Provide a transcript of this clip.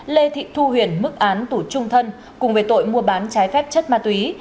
lê thị thu huyền mức án tù trung thân cùng về tội mua bán trái phép chất ma túy